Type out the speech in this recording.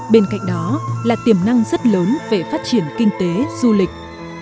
bên cạnh đó là tiềm năng rất lớn về phát triển kinh tế du lịch